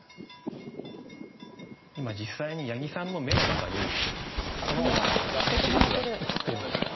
今実際に八木さんの目の中にこのキャッチレフが映ってるんですよ。